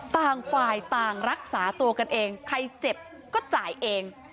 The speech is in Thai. ต่างฝ่ายต่างรักษาตัวกันเองใครเจ็บก็จ่ายเอง